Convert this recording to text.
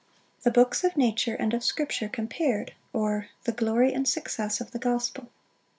The books of nature and of scripture compared; or, The glory and success of the gospel.